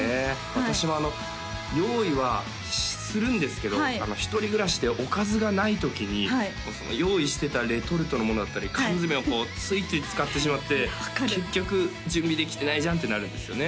私も用意はするんですけど１人暮らしでおかずがない時にその用意してたレトルトのものだったり缶詰をこうついつい使ってしまって結局準備できてないじゃんってなるんですよね